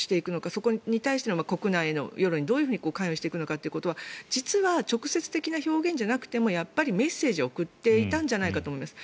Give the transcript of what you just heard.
そこに対しての国内への世論にどう関与していくのかというのは実は直接的な表現じゃなくてもメッセージを送っていたんじゃないかと思います。